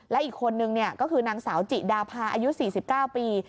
และอีกคนนึงก็คือนางสาวจิดาพาอายุ๔๙ปี